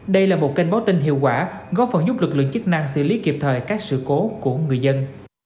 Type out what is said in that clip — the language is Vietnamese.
đây là một kênh báo tin hiệu quả góp phần giúp lực lượng chức năng xử lý kịp thời các sự cố của người dân